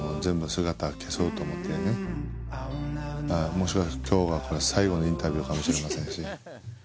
もしかすると今日が最後のインタビューかもしれませんし。